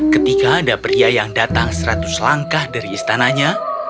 ketika ada pria yang datang seratus langkah dari istananya